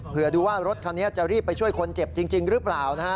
เพื่อดูว่ารถคันนี้จะรีบไปช่วยคนเจ็บจริงหรือเปล่านะฮะ